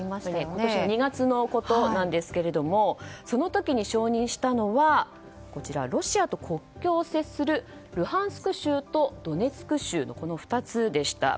今年の２月のことですがその時に承認したのはロシアと国境を接するルハンスク州とドネツク州の２つでした。